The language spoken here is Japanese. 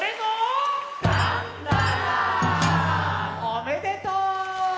おめでとう！